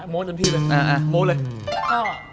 โม้ตกันพี่เลยโม้ตเลย